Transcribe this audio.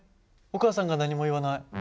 お母さんが何も言わない。